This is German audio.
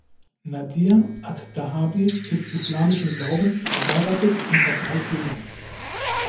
Nadir adh-Dhahabi ist islamischen Glaubens, verheiratet und hat drei Kinder.